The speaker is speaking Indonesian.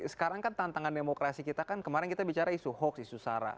sekarang kan tantangan demokrasi kita kan kemarin kita bicara isu hoax isu sara